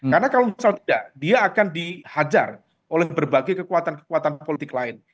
karena kalau misalnya tidak dia akan dihajar oleh berbagai kekuatan kekuatan politik lain